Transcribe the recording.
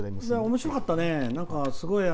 おもしろかったね。